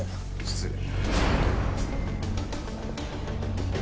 失礼。